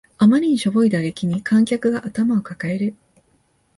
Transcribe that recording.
あまりにしょぼい打線に観客が頭を抱える